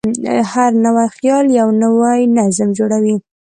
هر نوی خیال یو نوی نظم جوړوي.